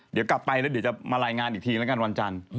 เดี๋ยวกลับไปแล้วเดี๋ยวจะมารายงานอีกทีแล้วกันวันจันทร์